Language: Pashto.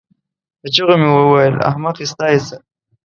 په چيغو مې وویل: احمقې ستا یې څه؟